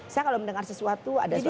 saya kalau mendengar sesuatu ada sedikit